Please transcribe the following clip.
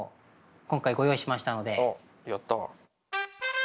やった。